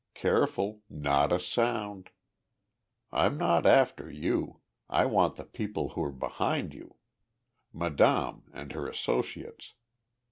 Careful not a sound! I'm not after you. I want the people who're behind you. Madame and her associates.